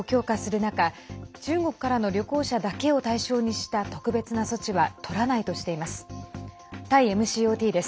中国からの旅行者だけを対象にした特別な措置はとらないとしています。